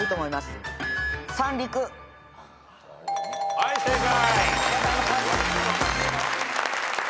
はい正解。